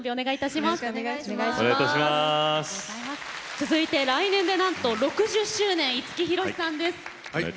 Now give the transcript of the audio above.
続いて来年でなんと６０周年五木ひろしさんです。